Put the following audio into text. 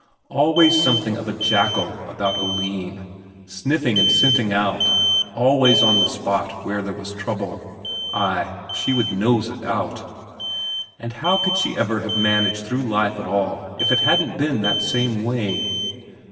Always something of a jackal about Oline; sniffing and scenting out, always on the spot where there was trouble; ay, she would nose it out. And how could she ever have managed through life at all if it hadn't been that same way?